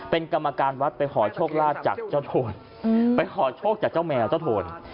เป็นกรรมการวัดไปขอโชคลาภจากเจ้าโทนไปขอโชคจากเจ้าแมวเจ้าโทน